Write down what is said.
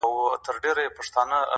• ته به یې او زه به نه یم -